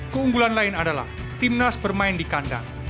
keunggulan lain adalah timnas bermain di kandang